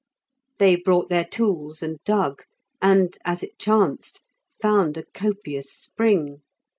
They brought their tools and dug, and, as it chanced, found a copious spring.